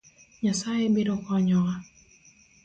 Nyasaye biro konyowa